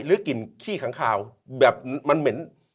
กลิ่นขี้ขังคาวแบบมันเหม็น